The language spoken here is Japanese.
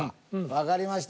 わかりました。